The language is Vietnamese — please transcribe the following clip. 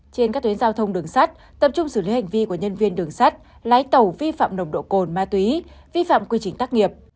trên các tuyến giao thông đường sắt tập trung xử lý hành vi của nhân viên đường sắt lái tàu vi phạm nồng độ cồn ma túy vi phạm quy trình tác nghiệp